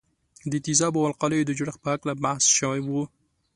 د تیزابونو او القلیو د جوړښت په هکله بحث شوی وو.